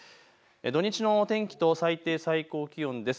土日の天気と最低、最高気温です。